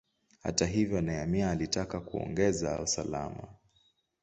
Hata hivyo, Nehemia alitaka kuongeza usalama.